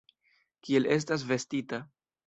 Kiel estas vestita.